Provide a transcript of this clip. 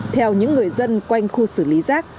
theo những người dân quanh khu xử lý rác